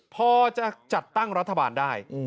พอจะจัดตั้งรัฐบาลได้